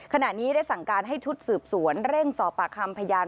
ขณะนี้ได้สั่งการให้ชุดสืบสวนเร่งสอบปากคำพยาน